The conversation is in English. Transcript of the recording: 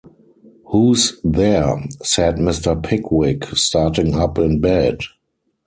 ‘Who’s there?’ said Mr. Pickwick, starting up in bed.